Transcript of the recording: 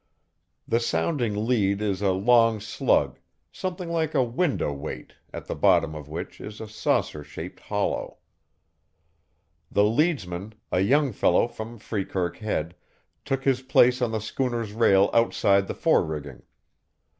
The sounding lead is a long slug, something like a window weight, at the bottom of which is a saucer shaped hollow. The leadsman, a young fellow from Freekirk Head, took his place on the schooner's rail outside the forerigging.